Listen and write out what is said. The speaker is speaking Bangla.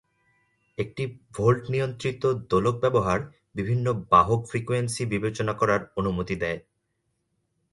একটি ভোল্ট-নিয়ন্ত্রিত দোলক ব্যবহার বিভিন্ন বাহক ফ্রিকোয়েন্সি বিবেচনা করার অনুমতি দেয়।